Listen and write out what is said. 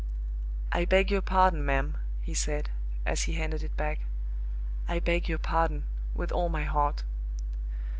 "I beg your pardon, ma'am," he said, as he handed it back "I beg your pardon, with all my heart."